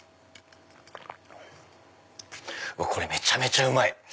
これめちゃめちゃうまい！